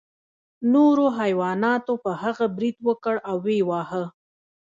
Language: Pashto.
نورو حیواناتو په هغه برید وکړ او ویې واهه.